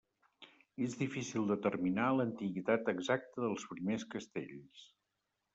És difícil determinar l'antiguitat exacta dels primers castells.